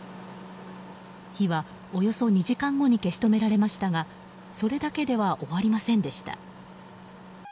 火はおよそ２時間後に消し止められましたがそれだけでは終わりませんでした。